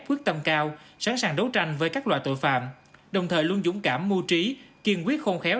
quyết tâm cao sẵn sàng đấu tranh với các loại tội phạm đồng thời luôn dũng cảm mu trí kiên quyết khôn khéo